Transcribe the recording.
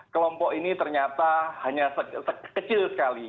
kelompok ini ternyata hanya kecil sekali